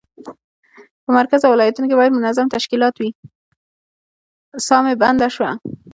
ساه مې بنده شوه.